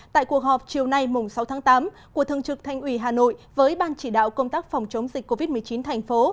tại cuộc họp chiều nay sáu tháng tám của thương trực thành ủy hà nội với ban chỉ đạo công tác phòng chống dịch covid một mươi chín thành phố